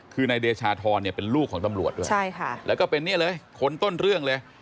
คือนายเดชาธรเนี่ยเป็นลูกของตำรวจด้วยใช่ค่ะแล้วก็เป็นเนี่ยเลยคนต้นเรื่องเลย